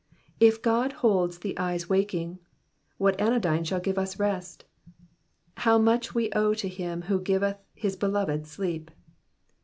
If God holds the eyes waking, what anodyne shall give us rest? How much we owe to him who giveth his beloved sleep